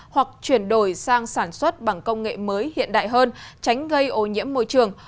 hoặc chuyển đổi sang sản xuất bằng công nghệ mới hiện đại hơn tránh gây ô nhiễm môi trường